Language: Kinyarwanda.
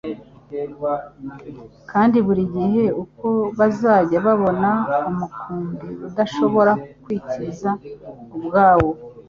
kandi buri gihe uko bazajya babona umukumbi udashobora kwikiza ubwawo